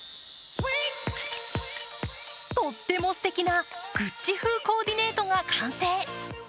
とってもすてきなＧＵＣＣＩ風コーディネートが完成。